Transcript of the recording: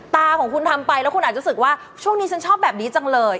ตาของคุณทำไปแล้วคุณอาจจะรู้สึกว่าช่วงนี้ฉันชอบแบบนี้จังเลย